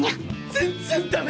全然ダメ！